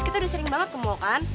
kita udah sering banget ke mall kan